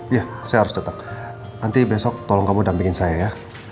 iya saya harus tetap nanti besok tolong kamu dampingin saya ya